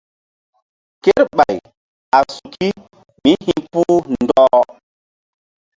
Kerɓay a suki mí hi̧puh ɗɔh.